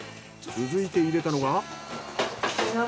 続いて入れたのが。